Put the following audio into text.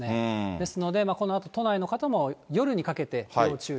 ですので、このあと都内の方も、夜にかけて、要注意です。